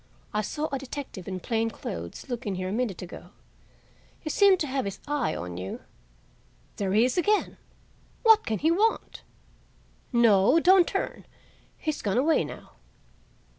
I saw a detective in plain clothes look in here a minute ago. He seemed to have his eye on you. There he is again! What can he want? No, don't turn; he's gone away now."